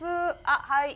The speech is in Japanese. あっはい。